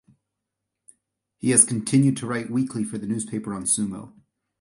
He has continued to write weekly for the newspaper on sumo.